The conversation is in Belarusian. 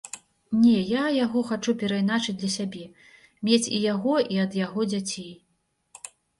Не, я яго хачу перайначыць для сябе, мець і яго і ад яго дзяцей.